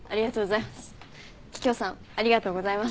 桔梗さんありがとうございます。